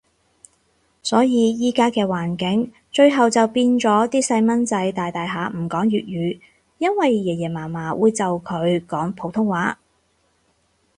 所以依家嘅環境，最後就變咗啲細蚊仔大大下唔講粵語，因為爺爺嫲嫲會就佢講普通話